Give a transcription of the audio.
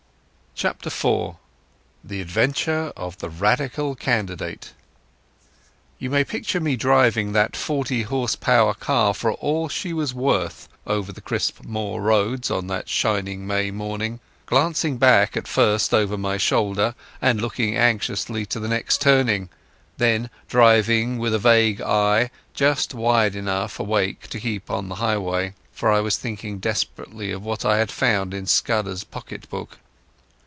Chapter IV. The Adventure of the Radical Candidate You may picture me driving that 40 h.p. car for all she was worth over the crisp moor roads on that shining May morning; glancing back at first over my shoulder, and looking anxiously to the next turning; then driving with a vague eye, just wide enough awake to keep on the highway. For I was thinking desperately of what I had found in Scudder's pocket book.